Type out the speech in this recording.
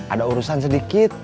ada urusan sedikit